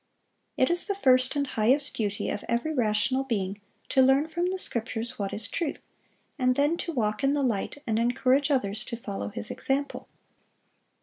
It is the first and highest duty of every rational being to learn from the Scriptures what is truth, and then to walk in the light, and encourage others to follow his example.